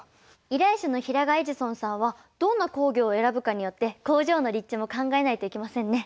依頼者の平賀エジソンさんはどんな工業を選ぶかによって工場の立地も考えないといけませんね。